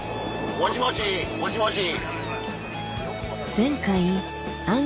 もしもしもしもし。